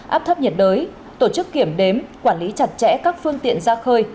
áp thấp nhiệt đới tổ chức kiểm đếm quản lý chặt chẽ các phương tiện ra khơi